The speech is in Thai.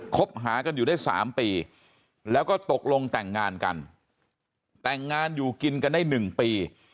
คบหากันอยู่ได้๓ปีแล้วก็ตกลงแต่งงานกันแต่งงานอยู่กินกันได้๑ปี